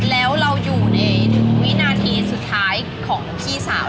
แล้วเราอยู่ในวินาทีสุดท้ายของพี่สาว